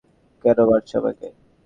কেন মারছো আমাকে?